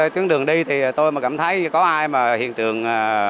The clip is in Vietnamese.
trên đường đi thì tôi cảm thấy có ai mà hiện tượng